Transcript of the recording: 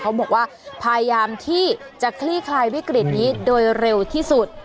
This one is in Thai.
เขาบอกว่าพยายามที่จะคลี้คลายวิกฤทธิ์นี้โดยเร็วที่สุด